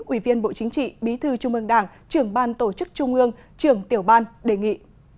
ủy viên bộ chính trị bí thư trung ương đảng trưởng ban tổ chức trung ương trưởng tiểu ban đề nghị